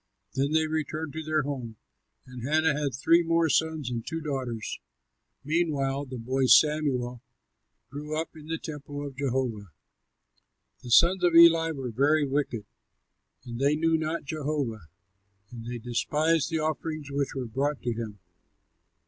Then they returned to their home; and Hannah had three more sons and two daughters. Meantime the boy Samuel grew up in the temple of Jehovah. The sons of Eli were very wicked. They knew not Jehovah, and they despised the offerings which were brought to him.